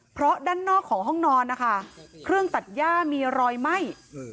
เพราะด้านนอกของห้องนอนนะคะเครื่องตัดย่ามีรอยไหม้